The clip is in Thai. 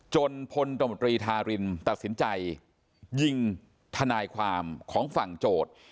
พลตมตรีธารินตัดสินใจยิงทนายความของฝั่งโจทย์